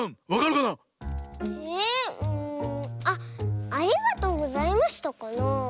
あっ「ありがとうございました」かなあ。